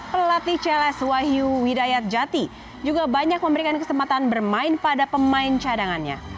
pelatih cls wahyu widayat jati juga banyak memberikan kesempatan bermain pada pemain cadangannya